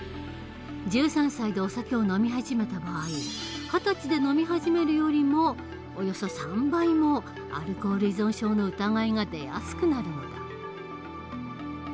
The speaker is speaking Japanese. １３歳でお酒を飲み始めた場合二十歳で飲み始めるよりもおよそ３倍もアルコール依存症の疑いが出やすくなるのだ。